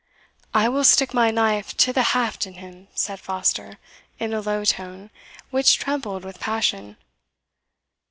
"I will stick my knife to the haft in him," said Foster, in a low tone, which trembled with passion.